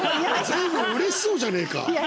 随分嬉しそうじゃねえか！